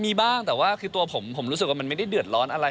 มีบ้างแต่ว่าคือตัวผมผมรู้สึกว่ามันไม่ได้เดือดร้อนอะไร